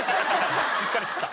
しっかり吸った。